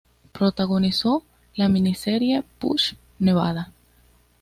Protagonizó la miniserie "Push, Nevada".